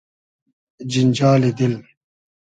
جینجالی دیل